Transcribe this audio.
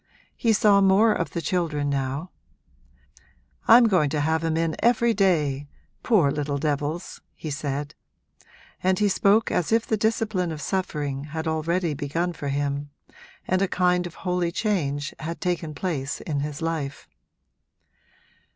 He saw more of the children now; 'I'm going to have 'em in every day, poor little devils,' he said; and he spoke as if the discipline of suffering had already begun for him and a kind of holy change had taken place in his life.